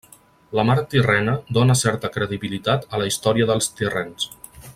La Mar Tirrena dóna certa credibilitat a la història dels tirrens.